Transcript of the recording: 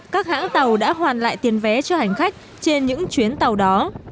các hãng tàu đã hoàn lại tiền vé cho hành khách trên những chuyến tàu đó